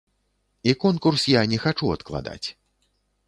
І конкурс я не хачу адкладаць.